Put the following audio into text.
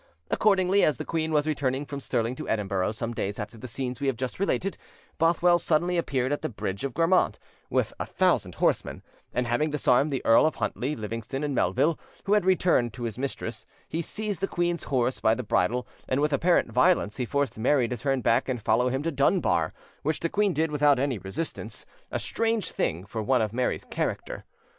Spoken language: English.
Accordingly, as the queen was returning from Stirling to Edinburgh some days after the scenes we have just related, Bothwell suddenly appeared at the Bridge of Grammont with a thousand horsemen, and, having disarmed the Earl of Huntly, Livingston, and Melville, who had returned to his mistress, he seized the queen's horse by the bridle, and with apparent violence he forced Mary to turn back and follow him to Dunbar; which the queen did without any resistance—a strange thing for one of Mary's character.